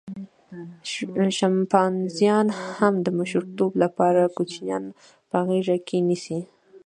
شامپانزیان هم د مشرتوب لپاره کوچنیان په غېږه کې نیسي.